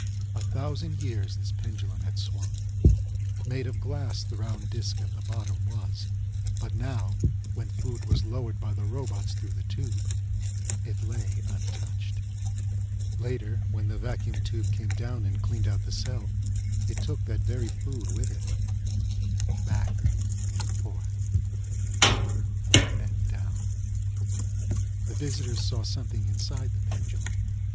A thousand years this pendulum had swung. Made of glass the round disk at the bottom was, but now when food was lowered by the robots through the tube it lay untouched. Later, when the vacuum tube came down and cleaned out the cell it took that very food with it. Back and forth—up and down. The visitors saw something inside the pendulum.